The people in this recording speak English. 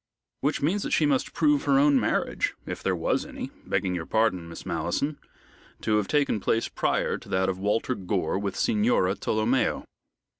"Which means that she must prove her own marriage, if there was any begging your pardon, Miss Malleson to have taken place prior to that of Walter Gore with Signora Tolomeo."